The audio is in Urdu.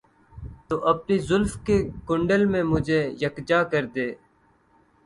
تو اپنی زلف کے کنڈل میں مجھے یکجا کر دے